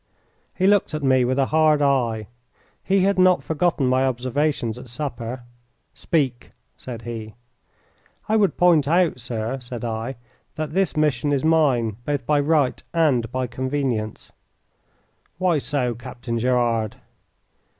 He looked at me with a hard eye. He had not forgotten my observations at supper. "Speak!" said he. "I would point out, sir," said I, "that this mission is mine both by right and by convenience." "Why so, Captain Gerard?"